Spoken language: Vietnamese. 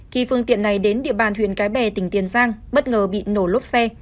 khi phương tiện này đến địa bàn huyện cái bè tỉnh tiền giang bất ngờ bị nổ lốp xe